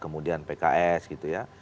kemudian pks gitu ya